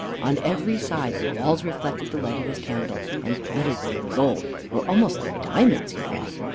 On every side the walls reflected the light of his candle, and glittered like gold, or almost like diamonds, he thought.